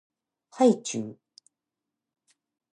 はいちゅう